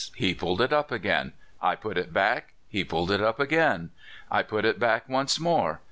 He pulled it up again. I put it back. He pulled it up again. I put it back once more.